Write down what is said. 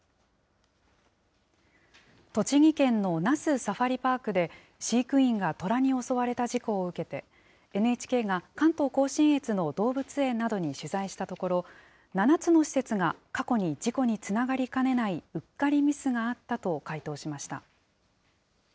栃木県の那須サファリパークで、飼育員がトラに襲われた事故を受けて、ＮＨＫが関東甲信越の動物園などに取材したところ、７つの施設が過去に事故につながりかねないうっかりミスがあったと回答しました。